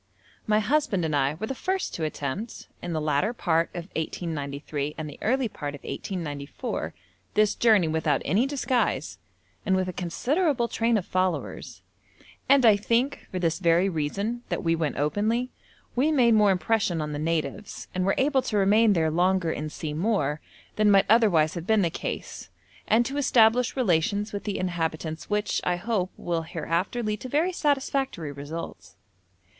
My husband and I were the first to attempt (in the latter part of 1893 and the early part of 1894) this journey without any disguise, and with a considerable train of followers, and I think, for this very reason, that we went openly, we made more impression on the natives, and were able to remain there longer and see more, than might otherwise have been the case, and to establish relations with the inhabitants which, I hope, will hereafter lead to very satisfactory results.